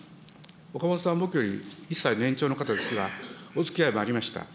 おかもとさん、僕より１歳年長の方ですが、おつきあいもありました。